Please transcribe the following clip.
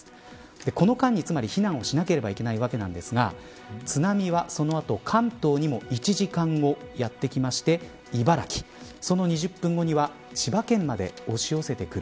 この間に避難しなければいけないわけですが津波はその後、関東にも１時間後やってきまして茨城その２０分後には千葉県まで押し寄せてくる。